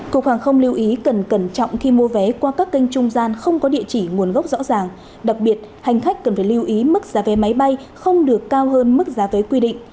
cục hàng không lưu ý cần cẩn trọng khi mua vé qua các kênh trung gian không có địa chỉ nguồn gốc rõ ràng đặc biệt hành khách cần phải lưu ý mức giá vé máy bay không được cao hơn mức giá vé quy định